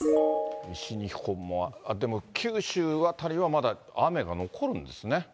西日本も、でも九州辺りはまだ雨が残るんですね。